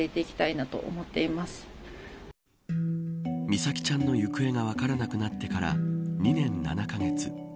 美咲ちゃんの行方が分からなくなってから２年７カ月。